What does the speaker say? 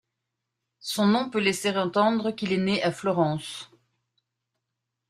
Son nom peut laisser entendre qu'il est né à Florence.